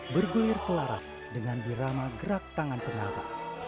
bergulir selaras dengan birama gerak tangan penata